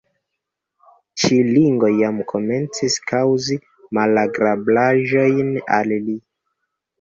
Ĉi ringo jam komencis kaŭzi malagrablaĵojn al li.